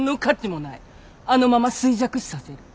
あのまま衰弱死させる。